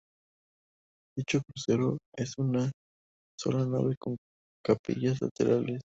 Dicho crucero es de una sola nave con capillas laterales entre contrafuertes.